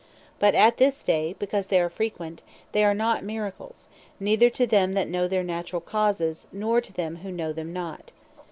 But at this day, because they are frequent, they are not Miracles, neither to them that know their naturall causes, nor to them who know them not.